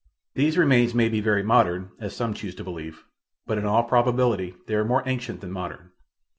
These remains may be very modern, as some choose to believe, but, in all probability, they are more ancient than modern.